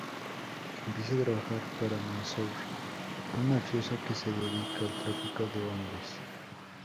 Empieza a trabajar para Mansour, un mafioso que se dedica al tráfico de hombres.